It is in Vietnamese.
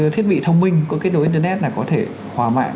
thiết bị thông minh có kết nối internet là có thể hòa mạng